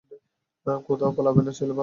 কোত্থাও পালাবে না, ছেলে ভালো।